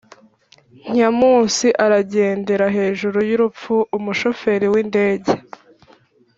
Nyamunsi aragendera hejuru y'urupfu-Umushoferi w'indege.